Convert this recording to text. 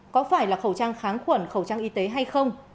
có phải là khẩu trang kháng khuẩn khẩu trang y tế hay không